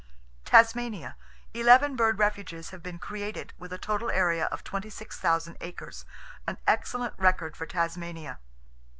Tasmania: Eleven Bird Refuges have been created, with a total area of 26,000 acres,—an excellent record for Tasmania!